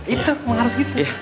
itu harus gitu